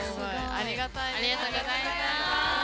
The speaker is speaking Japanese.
ありがとうございます。